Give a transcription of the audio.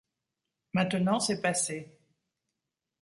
Maintenant, c’est passé.